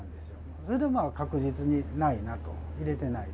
それで確実にないなと、入れてない。